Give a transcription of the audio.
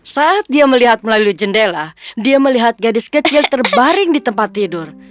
saat dia melihat melalui jendela dia melihat gadis kecil terbaring di tempat tidur